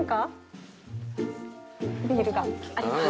ビールがあります。